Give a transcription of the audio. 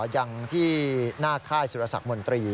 อย่างที่หน้าค่ายสุรสักมนตรี